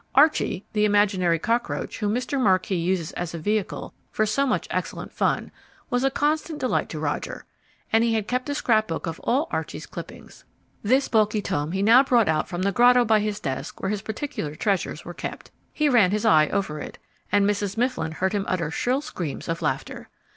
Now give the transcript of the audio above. Archy, the imaginary cockroach whom Mr. Marquis uses as a vehicle for so much excellent fun, was a constant delight to Roger, and he had kept a scrapbook of all Archy's clippings. This bulky tome he now brought out from the grotto by his desk where his particular treasures were kept. He ran his eye over it, and Mrs. Mifflin heard him utter shrill screams of laughter.